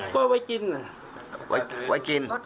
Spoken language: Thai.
แค่ไว้กิน